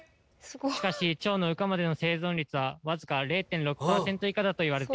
しかし蝶の羽化までの生存率は僅か０．６％以下だといわれています。